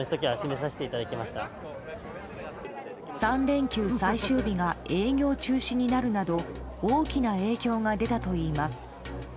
３連休最終日が営業中止になるなど大きな影響が出たといいます。